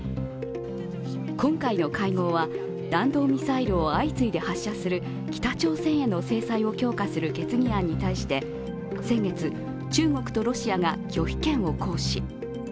今回の会合は、弾道ミサイルを相次いで発射する北朝鮮への制裁を強化する決議案に対して先月、中国とロシアが拒否権を行使。